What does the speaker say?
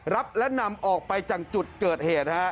รับและนำออกไปจากจุดเกิดเหตุ